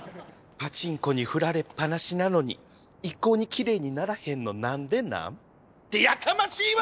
パチンコに振られっぱなしなのに一向にきれいにならへんの何でなん？ってやかましいわ！